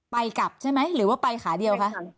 ไปกลับใช่ไหมหรือว่าไปขาเดียวคะ